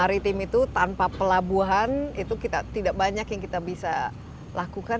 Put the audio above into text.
maritim itu tanpa pelabuhan itu kita tidak banyak yang kita bisa lakukan